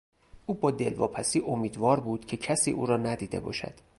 او با دلواپسی امیدوار بود که کسی او را ندیده باشد.